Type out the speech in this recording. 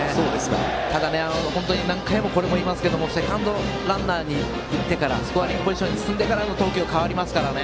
ただ、何回も言いますけどもセカンドランナーに行ってからスコアリングポジションに進むと投球が変わりますからね。